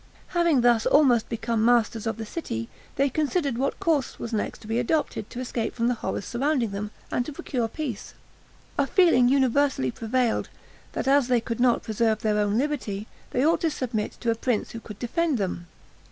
Having thus almost become masters of the city, they considered what course was next to be adopted to escape from the horrors surrounding them, and to procure peace. A feeling universally prevailed, that as they could not preserve their own liberty, they ought to submit to a prince who could defend them.